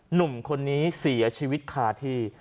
หนุ่มคนนี้เสียชีวิตคาที่